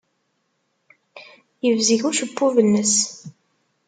Yebzeg ucebbub-nnes.